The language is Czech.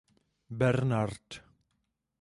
Bernard.